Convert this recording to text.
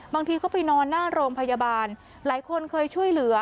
บางทีก็ไปนอนหน้าโรงพยาบาลหลายคนเคยช่วยเหลือ